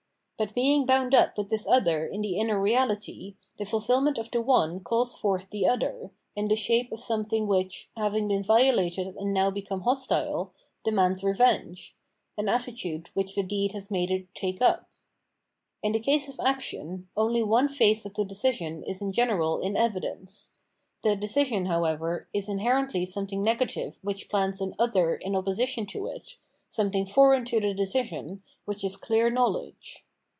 But being bound up with this other in the inner reahty, the fulfil ment of the one calls forth the other, in the shape of something which, having been violated and now become hostile, demands revenge — an attitude which the deed has made it take up. In the case of action, only one phase of the decision is in general in evidence. The decision, however, is inherently something negative 467 Ethical Action wMcli plants an "other'' in opposition to it, something foreign to the decision, which is clear knowledge.